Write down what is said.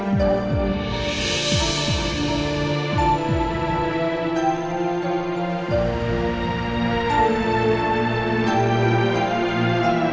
aku kangen sama mama